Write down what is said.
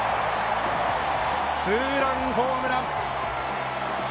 ツーランホームラン！